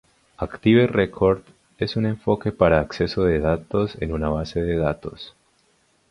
Active record es un enfoque para acceso de datos en una base de datos.